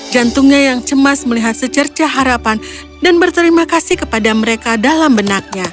jantungnya yang cemas melihat secerca harapan dan berterima kasih kepada mereka dalam benaknya